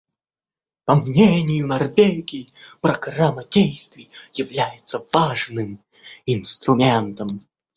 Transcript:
По мнению Норвегии, Программа действий является важным инструментом.